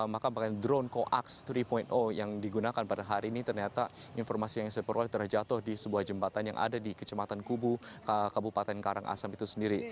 maka bahkan drone coaks tiga yang digunakan pada hari ini ternyata informasi yang saya peroleh terjatuh di sebuah jembatan yang ada di kecematan kubu kabupaten karangasem itu sendiri